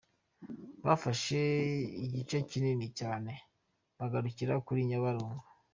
Bafashe igice kinini cyane bagarukira kuri Nyabarongo.